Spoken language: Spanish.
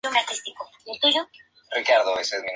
El bloqueo fue criticado por Human Rights Watch.